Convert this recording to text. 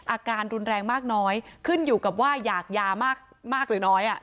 อาการรุนแรงมากน้อยขึ้นอยู่กับว่าอยากยามากหรือน้อย